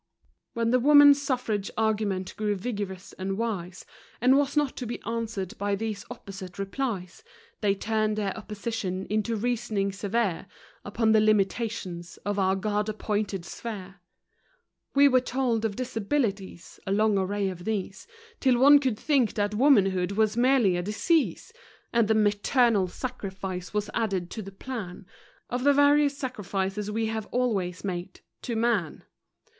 When the woman suffrage argument grew vigorous and wise, And was not to be answered by these opposite replies, They turned their opposition into reasoning severe Upon the limitations of our God appointed sphere. We were told of disabilities a long array of these, Till one could think that womanhood was merely a disease; And "the maternal sacrifice" was added to the plan Of the various sacrifices we have always made to man.